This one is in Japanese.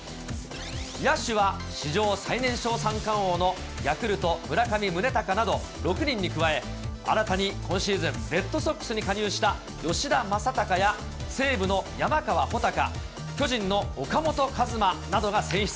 野手は史上最年少三冠王のヤクルト、村上宗隆など、６人に加え、新たに今シーズン、レッドソックスに加入した吉田正尚や西武の山川穂高、巨人の岡本和真などが選出。